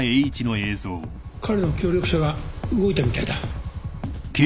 彼の協力者が動いたみたいだ。